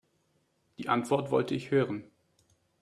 Die Antwort wollte ich hören.